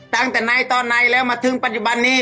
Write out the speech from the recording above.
ตั้งแต่ไหนตอนไหนแล้วมาถึงปัจจุบันนี้